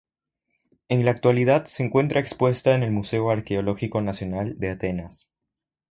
En la actualidad se encuentra expuesta en el Museo Arqueológico Nacional de Atenas.